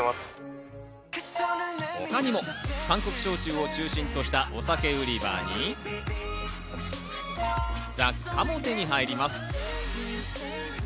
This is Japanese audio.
他にも韓国商品を中心としたお酒売り場に、雑貨も手に入ります。